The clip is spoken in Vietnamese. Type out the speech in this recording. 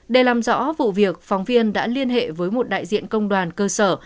để làm rõ vụ việc phóng viên đã liên hệ với một đại diện công đoàn cơ sở